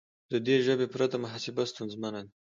د دې ژبې پرته محاسبه ستونزمنه ده.